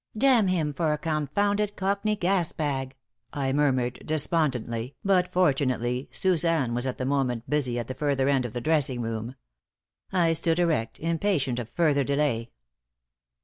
"Damn him for a confounded cockney gas bag!" I murmured, despondently, but fortunately Suzanne was at that moment busy at the further end of the dressing room. I stood erect, impatient of further delay.